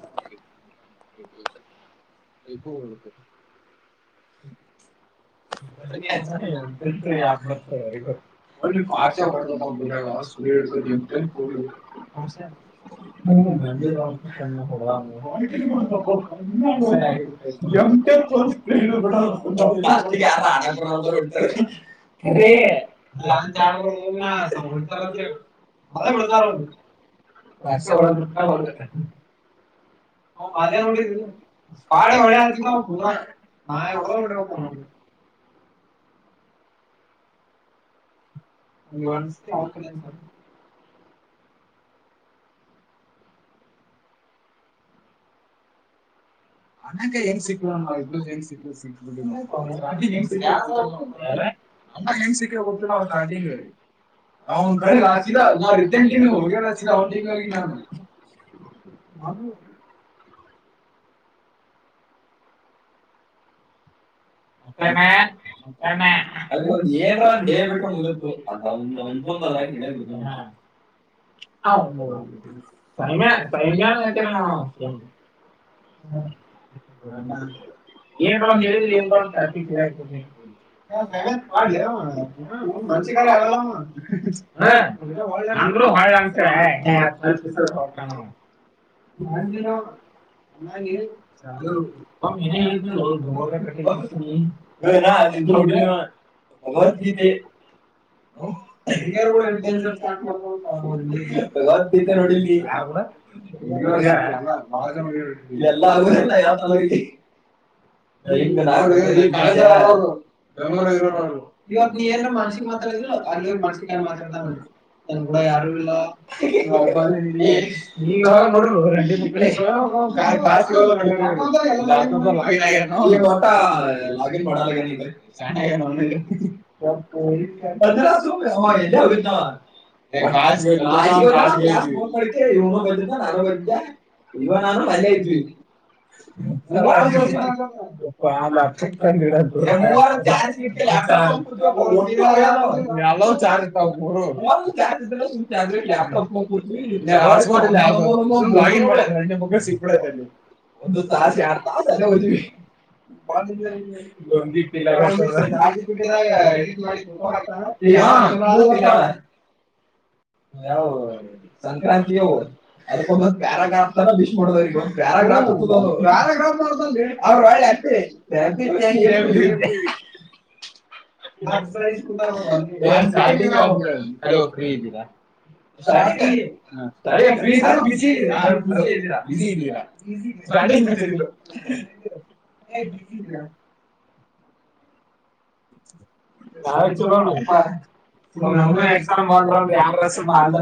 ಹ ಹ್ಮ ಗತ [inaudible] ಯ ಅ ನ ಚೆ ಹ ಮಜೆ ನೋಡಿದ ಪಾಡ ಹೊಡತ ನಾೆಡ ಹೊಡ ಅಲ್ಲಿ ಒನ್ತ್ತ ಅಕ್ಕ ಹೆಂಗ್ ಸಿ ನಂಗ ಹೆ ಸ್ಟಾರ್ಟಿಂಗನ್ ಟಿ ಹೋಗಲ್ಲಟ ಮತ್ತೆ ಮತ್ತೆ ಅವ ಏನ್ರ ಅ ಹೇಳ್ಬಿಟ್ರ ಮುಗತ್ತುು ಅದ ಒಂದ ಒಂದೊಂದ ಅದ್ರಾಗ ಹಬಿಡ್ತಾನ ಹ ಸ ಸ್ಯ ಹೇಳ ಅಂದ ಿಸ ಹೋಗಾನ ನರ ಕಟ್ಟ ಹ್ಮ್ ಇ ಭಗವದ್ಗೀತೆ್ಟ್ಟ ಮಾಡ ಎಲ್ಲಗ ಯ [inaudible] ಇವಾಗ ನೀಏ ಮಂಟಿ ಮಾತಾಡ ಅಲ್ಲಿ ಮಂಟಿ ಮಾತಾಡನ ನ ಕೂಡ ಯಾರು ನೋ ಹೌ ಹಾಗೆ ಮಾಡ ಎ ಹೋಗ ಇ ಬ ನಾನು ಬತೆ ಇ ನಾನು ಮೆ ಇದ್ವಿ ಹೌ ಹ ಚ ಚ ಲ ಮುಗ ಸಿ ಯ ಫ ಸಂಕ್ರಾಂತಿದ್ಯ್ಾಮ್್ ಫ್ರ ಇದರ ಇದ್ ರ ನಾವ ಚಲೋ ಎಸ್ ಬಂದನ್ು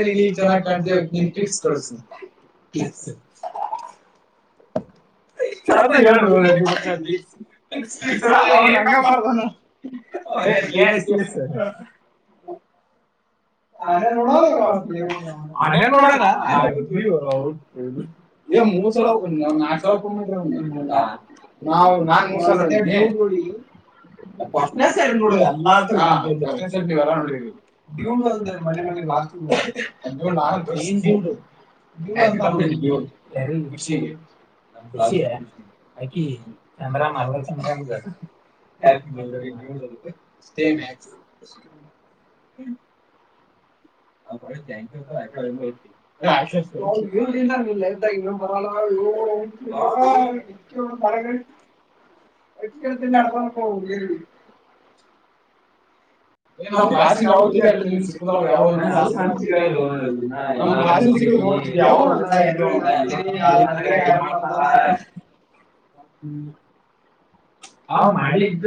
ನೀನ್ ಈಗ ಚೆನ್ನ ನಿ ಚ ಅ ಆ ಮೂರ್ ನ್ ಮ ಮ ಲ ಇ ಇ ಚಂದ್ರ ಮ ಹ್ಮ ಬರಲ್ಲ ನ್ ಕಾಶಿನ ಯಾವ ಯಾವಾಶ ಸಿ ಹ್ಮ್ ಅವ ಮಾಡಿದ್ದ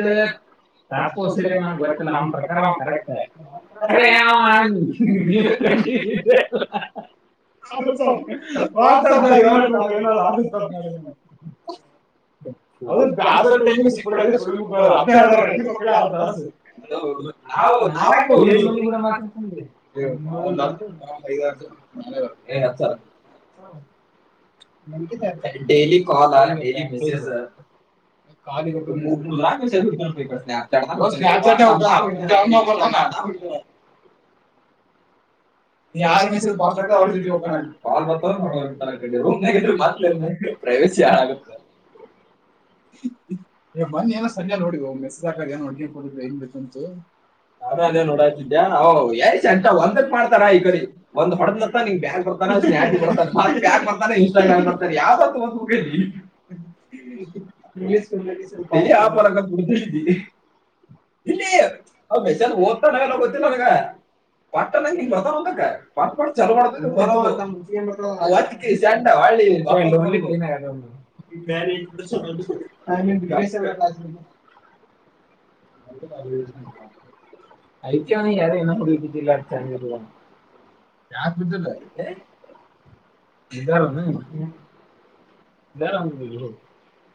ತಪ್ಪೋ ಸರಿ ನನ್ಗೆ ಗೊತ್ತಿಲ್ಲ ಅವನ್ ಪ್ರಕಾರ ಕರೆಕ್ಟ್ ಸು ಅದ ಮಕ್ಕಳ ಆರ್ ಡೇಲಿ ಕಾಲ್ ಡೇಲಿ ಮೆಸೇಜ ಅ [unintelligible] ನೀ ಯಾರ್ ಮೆಸೇಜ್ ಭಾಳ [unintelligible] ತಾರಾ ಐಕಡಿದ ಒಂದ್ ಹೊಡದ [unintelligible] ಇಕ್ಕಡೊಂದು ತೋನ ಒಂದಕ ಕೋಟ್ ನೋಡ್ ಚಾಲೋ ಮಾಡೋದು ಫುಲ್ [unintelligible] ಹೊಳ್ಳಿ [unintelligible] ಇಕ್ಕಯರಣ ಹಿನ ಕೂಡ್ಲಿಗತಿಲ್. ಯಾಕ್ ಬಿದ್ದಿಲ್ ಏ. ಬೀದರ್ ಏನ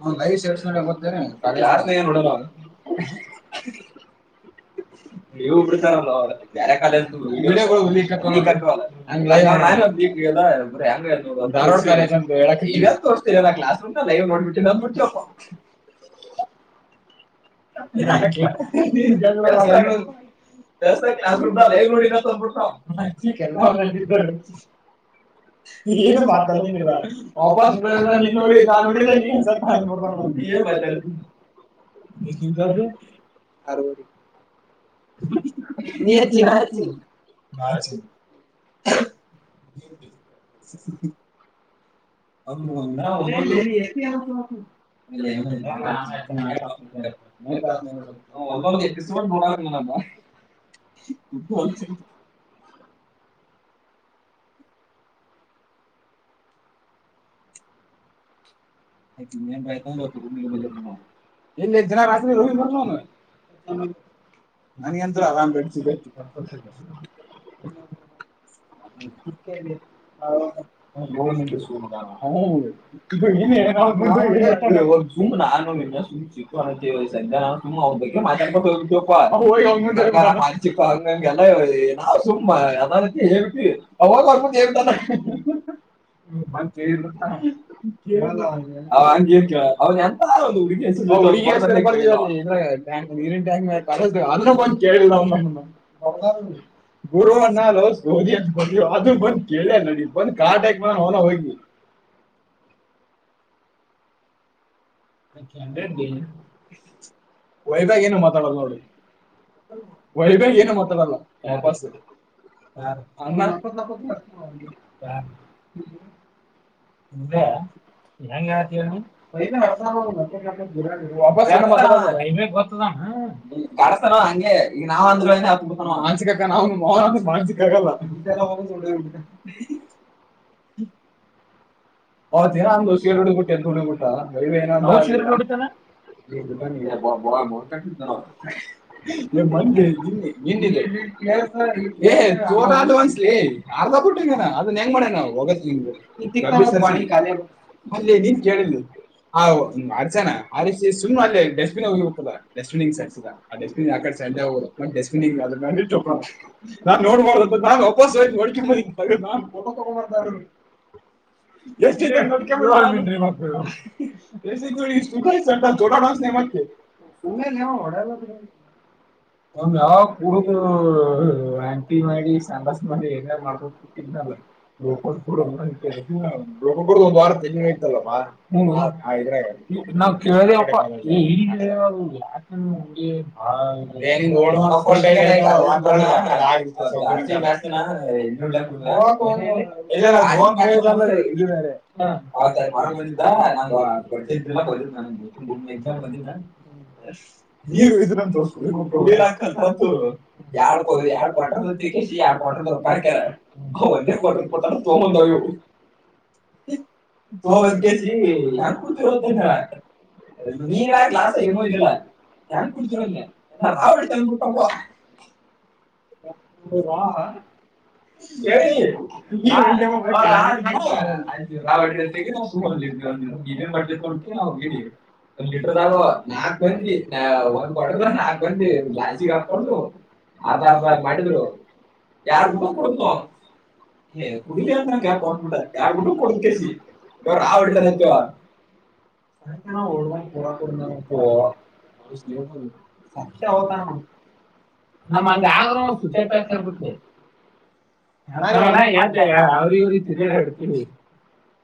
ಅಂವ ಎಸ್ ಉಣ್ಯಾ ಗೊತ್ತೇನ ಅದೇ [unintelligible] [inaudible] ಇವ್ ಬಿಟ್ಟರಲ್ಲೊ ಬ್ಯಾರೆ ಕಡೆ ಅಂದು ವಿಡಿಯೋಗಳು ಲಿಕ್ ಆಕವ್ ಅಲಾ ಹಂಗಾಗಿ [unintelligible] ದಾರವಾಡ ಕಾಲೇಜ ಅಂತ ಹೇಳಕ್ ಈಗ್ ಇಲ್ಲಾ ಕ್ಲಾಸ್ ರೂಮ್ದಾಗ್ ಲೈವ್ ನೋಡ್ಬಿಟ್ಟಿನಿ ಅಂದ್ಬಿಟ್ಲು ಕ್ಲಾ [unintelligible] ಬೆಂಗಳೂರು ದೋಸ್ತ ಕ್ಲಾಸ್ ರೂಮ್ದಾಗ್ ಲೈವ್ ನೋಡಿನಿ ಅಂತ ಅಂದಬುಟ್ಟಾ ಎಲ್ಲಾ ನಂದ ಇತ್ತ ನೋಡ್ರಿ ಇದು ಮಾತಾಡಂಗಿಲ್ಲ ಒಬ್ಬ ಸುಂದರ ನೀ ನೋಡಿದಿ ನಾ ನೋಡಿಲಲ್ಲಿ ಹಂಗ್ ಸ್ವಲ್ಪ್ ಹಾಂಗ್ ನೋಡಬರ್ದ ಎನ್ ಮಾತ್ ಆಡ್ತಿ. ಎಸ್ ದಿಂದ ಆದು. ನೀ ಹಚ್ಚಿ ನಾ ಹಚ್ಚಿ [inaudible] [inaudible] ಅವಂದ ಒಂದ ಒಂದೊಂದು [unintelligible] ಏನು ಇಲ್ಲ ನಾ ಹಚ್ಚಿನಿ ನೆಟ್ ಆಫ್ ಮಾಡ್ಬೇಕ್ ಆವ್ ಒಂದೊಂದ್ ಎಪಿಸೋಡ್ ನೋಡಾತೀನಿ ನಾನ್ ಇಟ್ ಹೋಲ್ಸ್ [unintelligible] ನನಗೆಂತ್ರು ಆರಾಮ್ ಬೆಡ್ ಸಿಕ್ಕೈತಿ [unintelligible] [unintelligible] ಸುಮ್ ನಾ ಅಂವ ಎಷ್ಟ ಇಪ್ಪ ಹೆಂತಿ ವಯಸ್ಸಾಯಿತು ಸುಮ್ ಅವನ್ ಬಗ್ಗೆ ಮಾತ್ ಆಡಬೇಕ್ ಅಂತೆವ್. ಅಂವ ಹೋಗಿ ಅವನ್ ಜೊತೆ ಮಾನಸಿಕ ಹಂಗ್ ಹಿಂಗ್ ಎಲ್ಲಾ ಹೇ ನಾವ್ ಸುಮ್ ಮ ಅದವಂತಿ ಹೇಳ್ಬಿಟ್ಟೀವಿ ಅಂವ ಹೋಗ್ ಅಂವನ್ ಮುಂದ್ ಹೇಳ್ಬಿಟ್ಟನ್ [unintelligible] ಆವ್ ಹಾಂಗ್ ಎನ್ ಕೇಳಲ್ ಅವನ್ ಎಂತ ಅವನು ಹುಡುಗಿ ಹೆಸರ ಅಂವ ಹುಡುಗಿ ಹೆಸರೇ ಬಾರ್ದಿಲಲ್ಲ ಇದ್ರಾಗ ಟ್ಯಾಂಕ್ ನೀರಿನ ಟ್ಯಾಂಕ್ ಮ್ಯಾಗ. ಅದಕ ಅಣ್ಣ ಬಂದ ಕೇಳಿಲ್ಲ ಅವನ್ ನಮ್ಮನ್ನ ಗುರುಅಣ್ಣ ಲೊ ಸೂರಿ ಅಣ್ಣಾ ಬಂದಿ ವಾಪಿಸ್ ಬಂದ ಕೇಳೆ ಇಲ್ಲ ಫುಲ್ ಕಾಟ್ ಹಾಕ ಬಂದನ ಅವನ ಹೋಗಿ. ಹಂಡ್ರೆಡ್ ಕೆ ವೈಬ್ಯಾಗ ಏನು ಮಾತಾಡಲ್ಲ ನೋಡು ವೈಭಾಗ್ ಏನು ಮಾತಾಡಲ್ಲ ವಾಪಸ ಯಾರ್ ಮುಬ್ಯ ನೀ ಹೆಂಗ್ ಹೇಳ್ತಿ ಏನೋ ವೈಬ್ಯ ಂ ಈ ನಾವ್ಂದನ್ಸಿಕ ನ ಮಾನ್ಸಕ್ ಆಗಲ್ಲ ಹ್ಮ ಂದಡುಟ್ಟಟ್ಟ ಅ ನೀನ್ ಕೇಳ ಹ ಮಸಣ ಸುಮ್ನೆ ಅ ಡನ್ಡೋ ಎಷ್ಟು ಮತ್ತ ನ ಯಾವಾಗ ಆಂಟಿ ಮಾಡಿ ಸಂಡಸ್ ಮಿ ಏನೇ ಮಾಡ್ಕೊ ಕುತಿದನಲ್ಲ ನೋಡ್ಕೊಂಡ ಒ ವಾರ ತನ್ಯ ಆಯ್ಲ್ಲ ಬಾ ಏಓ ಹ್ತಯ್ು ಮ ಬಂದಿದ್ದ ನಂಗ ಪಟ್ಟ ಇದ್ದೆಲ್ಲ ಬಂದಿದ್ದ ನಂಗೆಮ್ಮ ಇದಿನ ಬಂದಿದ್ದ ನೀ ಇದ ಕುರ್ ಹಾಕಲ್ತಾರ ಎಾರ್ಡ್ ಹೋ ಎರಡ್ ಕ್ಾಟರ್ ತಿಕಿಸಿಿ ಎರಡ್ ಕ್ವಾಟರ್ ಅ ರೊಕ್ಕಾಕ್ಯಾರ ಒಂದೇ ಕ್ವಾಟರ್ ಕೊಟ್ಟ ತಗೊಂದವು ತ ಒಂತ ಕೇಳಿ ಹೆಂಗ ಕುಡ್ತಿರದಂದ ನೀನ್ ಕ್ಲಾಾಸ ಏನೋ ಇದಿಲ್ಲ ಹೆಂಗ ಕುಡ್ತಿರೋಂದೆ ನ ರಾವಣ ಕೊಪ್ಪ ಹೇಳಿ ಾವ ಒ ನಾವು ಸುಮಂದ ನೀವ ಬಟ್ಟ ನಾವು ಹೋಗಿವವಿ ಒಂದ್ ಲಿಟರ್ದ ನಾಕ ಮ ಒಂದ್ ಕಾಟಲ್ ನಾಲ್ಕು ಮ ಲಾಸಿಗೆ ಹಾಕೊಂಡು ಆಧಾರ್ ಕಾರ್ಡ್ ಮಾಡಿದ್ರು ಯಾರ ಕೊ ಕುಡ ಕ್ಯಾ ಕೊಟ್ಬಿಟ್ಟ ಯಾರಗಟ್ಟ ಯ ಆಟ ನಮ ಹಂಗ ಆದ್ರೂ ನ ಸುದ್ದಪ್ಪ ಹತರ್ಬಿಟ್ರು ನ ಯ್ದ ಅವ್ರ ಇವ್ರ ತಿ ಹ ಹ್ಮ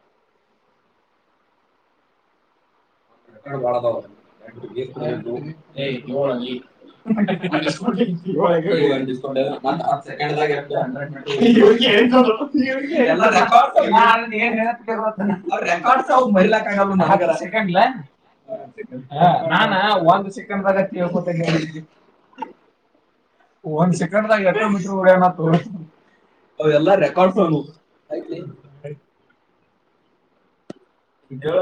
ಡ್ಲ್ ನಾನ ಒಂದು ಸೆಕೆಂಡಾಗ ಕಳ್ ಒಂದ್ ಸಿಂಗ ತೋ ಅವಲ್ಲಾ ರೆಕಾರ್ಡ್ ಆಯ್ತ್ಲ ಹ್ಮ